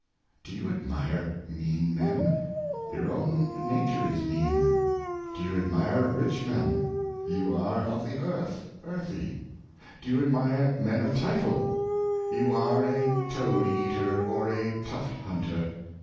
'' Do you admire mean men.^ — your own nature is mean. Do you ad mire rich men? — you are of the earth, earthy. Do you admire men of title? — you are a toad eater, or a tuft hunter.